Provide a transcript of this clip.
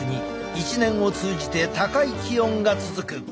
一年を通じて高い気温が続く。